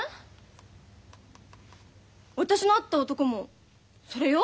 私の会った男もそれよ。